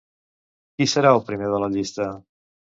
Qui serà el primer de la llista?